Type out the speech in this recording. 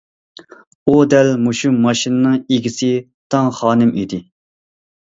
ئۇ دەل مۇشۇ ماشىنىنىڭ ئىگىسى تاڭ خانىم ئىدى.